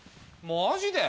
マジで？